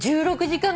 １６時間。